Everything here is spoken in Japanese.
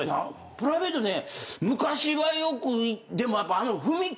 プライベートねえ昔はよくでもあの。